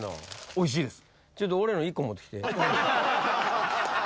おいしいです。